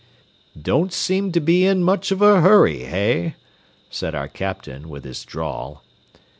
"Don't seem to be in much of a hurry, hey?" said our captain, with his drawl.